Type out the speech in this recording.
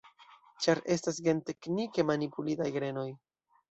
Ĉar estas genteknike manipulitaj grenoj.